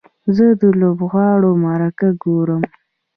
زه د لوبغاړو مرکه ګورم.